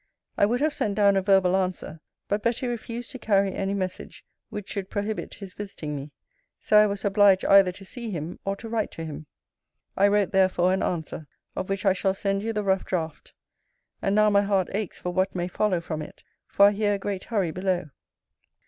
I would have sent down a verbal answer; but Betty refused to carry any message, which should prohibit his visiting me. So I was obliged either to see him, or to write to him. I wrote therefore an answer, of which I shall send you the rough draught. And now my heart aches for what may follow from it; for I hear a great hurry below.